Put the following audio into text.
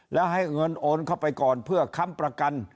แล้วให้เงินโอนเข้าไปก่อนเพื่อค้ำประกัน